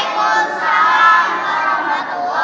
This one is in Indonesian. assalamualaikum warahmatullahi wabarakatuh